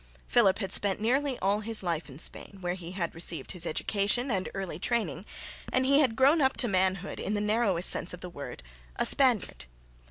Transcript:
Philip had spent nearly all his life in Spain, where he had received his education and early training, and he had grown up to manhood, in the narrowest sense of the word, a Spaniard.